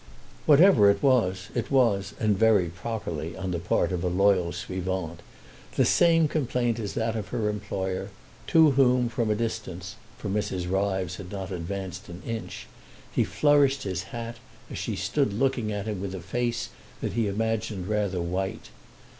Whatever it was, it was (and very properly, on the part of a loyal suivante) the same complaint as that of her employer, to whom, from a distance, for Mrs. Ryves had not advanced an inch, he flourished his hat as she stood looking at him with a face that he imagined rather white.